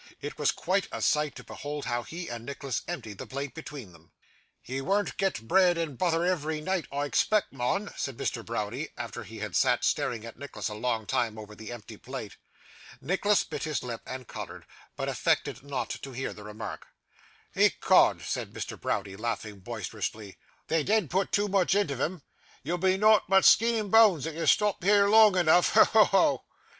It was quite a sight to behold how he and Nicholas emptied the plate between them. 'Ye wean't get bread and butther ev'ry neight, I expect, mun,' said Mr Browdie, after he had sat staring at Nicholas a long time over the empty plate. Nicholas bit his lip, and coloured, but affected not to hear the remark. 'Ecod,' said Mr. Browdie, laughing boisterously, 'they dean't put too much intiv'em. Ye'll be nowt but skeen and boans if you stop here long eneaf. Ho! ho! ho!